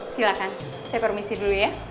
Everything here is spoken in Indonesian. silahkan saya permisi dulu ya